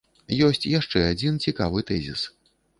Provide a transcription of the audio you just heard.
Ёсць яшчэ адзін цікавы тэзіс.